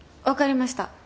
わかりました。